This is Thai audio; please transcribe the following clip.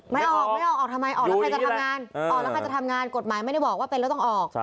ไม่ออกไม่ออกออกทำไมออกแล้วใครจะทำงานออกแล้วใครจะทำงานกฎหมายไม่ได้บอกว่าเป็นแล้วต้องออก